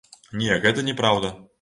Не, гэта не праўда.